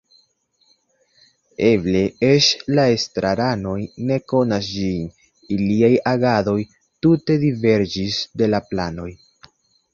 Eble eĉ la estraranoj ne konas ĝin iliaj agadoj tute diverĝis de la planoj.